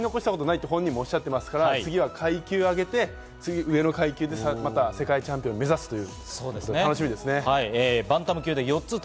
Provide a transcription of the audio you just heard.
バンタム級でやり残したことはないと本人もおっしゃっていますから、次は階級を上げて、上の階級でまた世界チャンピオンを目指すという。